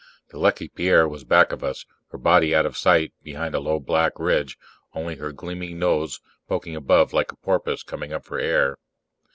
The Lucky Pierre was back of us, her body out of sight behind a low black ridge, only her gleaming nose poking above like a porpoise coming up for air.